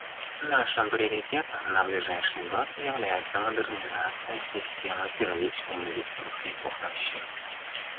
Нашим приоритетом на ближайший год является модернизация системы первичной медицинской помощи.